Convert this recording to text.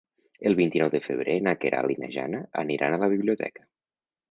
El vint-i-nou de febrer na Queralt i na Jana aniran a la biblioteca.